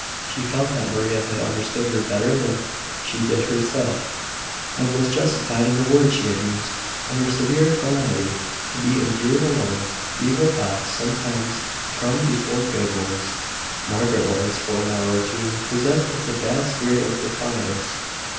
She, felt that Maria had understood her better than she did herself; and was justified in the words she had used. Under severe calamity, to be endured alone, evil thoughts sometimes come before good ones. Margaret was, for an hour or two, possessed with the bad spirit of defiance.